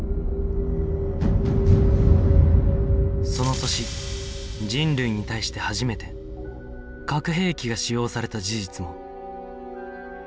その年人類に対して初めて核兵器が使用された事実も